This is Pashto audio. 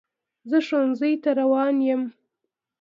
زه ښوونځي ته روان یم.